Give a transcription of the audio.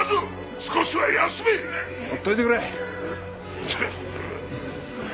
少しは休めほっといてくれったく！